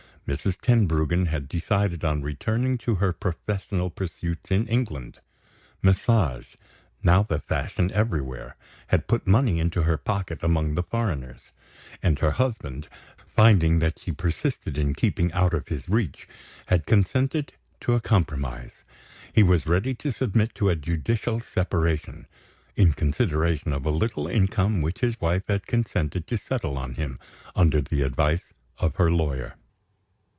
Mrs. Tenbruggen had decided on returning to her professional pursuits in England. Massage, now the fashion everywhere, had put money into her pocket among the foreigners; and her husband, finding that she persisted in keeping out of his reach, had consented to a compromise. He was ready to submit to a judicial separation; in consideration of a little income which his wife had consented to settle on him, under the advice of her lawyer.